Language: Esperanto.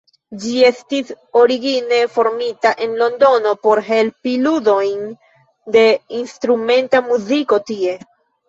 Ĝi estis origine formita en Londono por helpi ludojn de instrumenta muziko tie.